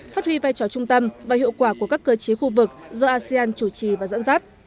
phát huy vai trò trung tâm và hiệu quả của các cơ chế khu vực do asean chủ trì và dẫn dắt